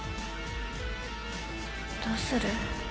どうする？